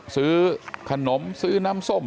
ซื้อขนมซื้อน้ำส้ม